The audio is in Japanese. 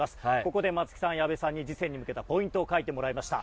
ここで松木さん、矢部さんに次戦に向けたポイントを書いてもらいました。